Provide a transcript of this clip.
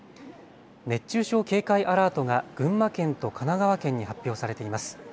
熱中症警戒アラートが群馬県と神奈川県に発表されています。